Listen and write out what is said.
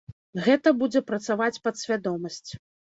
Гэта будзе працаваць падсвядомасць.